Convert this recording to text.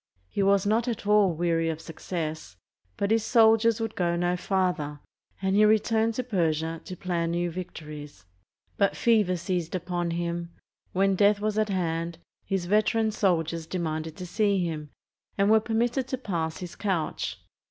He was not at all weary of suc cess, but his soldiers would go no farther, and he returned to Persia, to plan new victories. But fever seized upon him. When death was at hand, his veteran soldiers demanded to see him, and were permitted to pass his couch.